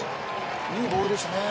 いいボールでしたね。